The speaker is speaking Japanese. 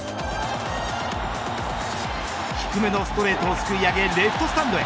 低めのストレートをすくい上げレフトスタンドへ。